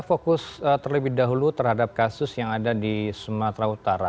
fokus terlebih dahulu terhadap kasus yang ada di sumatera utara